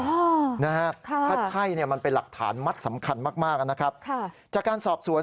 อ๋อค่ะค่ะใช่มันเป็นหลักฐานมักสำคัญมากนะครับจากการสอบสวน